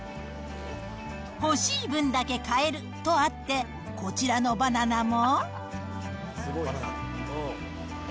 欲しい分だけ買えるとあって、こちらのバナナも。